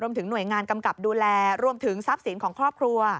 ถึงหน่วยงานกำกับดูแลรวมถึงทรัพย์สินของครอบครัว